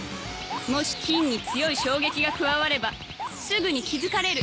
もし金に強い衝撃が加わればすぐに気付かれる